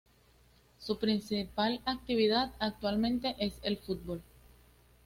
Su principal actividad actualmente es el fútbol.